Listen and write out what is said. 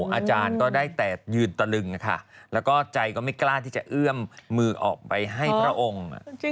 อาจารย์ก็ได้แต่ยืนตะลึงค่ะแล้วก็ใจก็ไม่กล้าที่จะเอื้อมมือออกไปให้พระองค์